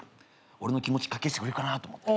俺の気持ちかき消してくれるかなと思って。